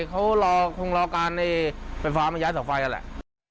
เขารอคงรอการไฟฟ้ามาย้ายเสาไฟนั่นแหละ